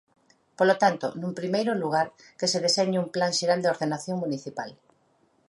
Polo tanto, nun primeiro lugar, que se deseñe un plan xeral de ordenación municipal.